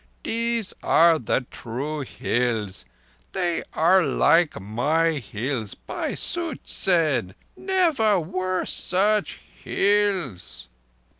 _ These—are the true Hills! They are like my hills by Suchzen. Never were such hills!"